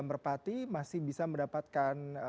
merpati masih bisa mendapatkan